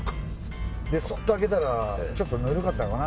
そっと開けたらちょっとぬるかったのかな？